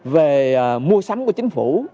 về mua sắm của chính phủ